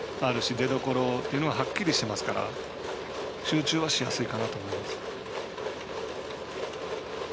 出どころははっきりしますから集中はしやすいかなと思います。